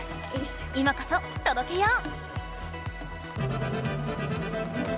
今こそとどけよう！